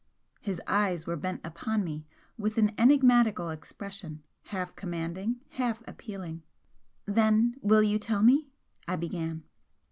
His eyes were bent upon me with an enigmatical expression, half commanding, half appealing. "Then, will you tell me " I began.